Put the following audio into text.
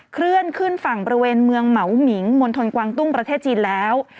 เคลื่อนขึ้นฝั่งบริเวณเมืองเหมาหมิงมณฑลกวางตุ้งประเทศจีนแล้ว